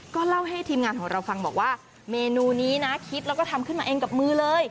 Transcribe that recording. ก็เล่าให้ทีมงานของเราฟังบอกว่าเมนูนี้นะคิดแล้วก็ทำขึ้นมาเองกับมือเลย